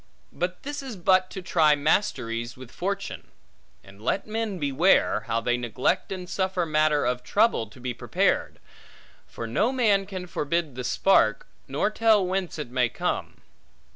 But this is but to try masteries with fortune. And let men beware, how they neglect and suffer matter of trouble to be prepared; for no man can forbid the spark, nor tell whence it may come.